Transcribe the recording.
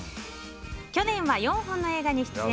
去年は４本の映画に出演。